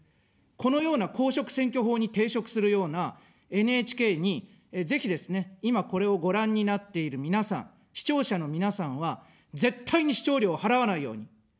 このような公職選挙法に抵触するようなＮＨＫに、ぜひですね、今、これをご覧になっている皆さん、視聴者の皆さんは、絶対に視聴料を払わないように。